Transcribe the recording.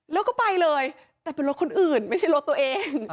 แล้วก็ไปเลยแต่เป็นรถคนอื่นไม่ใช่รถตัวเอง